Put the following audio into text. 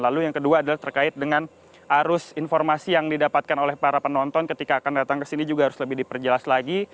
lalu yang kedua adalah terkait dengan arus informasi yang didapatkan oleh para penonton ketika akan datang ke sini juga harus lebih diperjelas lagi